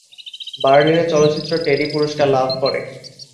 বার্লিনে চলচ্চিত্রটি টেডি পুরস্কার লাভ করে।